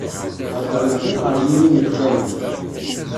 Heddren kan ɣer yiri n lkanun.